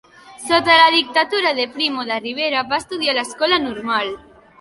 Sota la dictadura de Primo de Rivera va estudiar a l'Escola Normal.